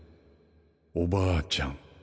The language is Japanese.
おばあちゃん。